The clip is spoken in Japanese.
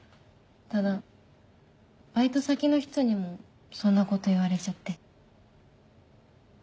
ただバイト先の人にもそんなこと言われちゃって。